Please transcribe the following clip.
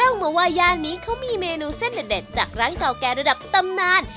มาว่าย่านนี้เขามีเมนูเส้นเด็ดจากร้านเก่าแก่ระดับตำนาน